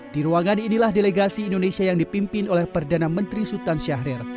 di ruangan inilah delegasi indonesia yang dipimpin oleh perdana menteri sultan syahrir